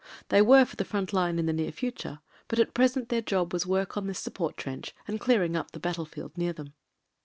They were for the front line in the near future — but at present their job was work on this support trench and clearing up the battlefield near them.